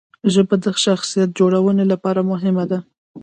ژبه د شخصیت جوړونې لپاره مهمه ده.